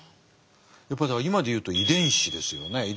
やっぱり今で言うと遺伝子ですよね。